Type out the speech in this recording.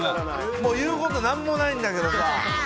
もう言うこと何もないんだけれどさ。